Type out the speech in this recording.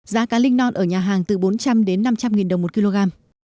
giá cá linh non ở nhà hàng từ bốn trăm linh năm trăm linh đồng một kg